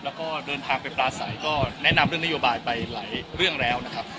แล้วก็เดินทางไปปลาใสก็แนะนำเรื่องนโยบายไปหลายเรื่องแล้วนะครับ